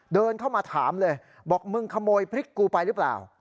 เดินเข้ามาถามเลยบอกมึงขโมยพริกกูไปหรือเปล่า